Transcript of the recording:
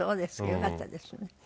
よかったですね。